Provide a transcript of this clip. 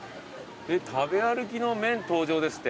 食べ歩きの麺登場ですって。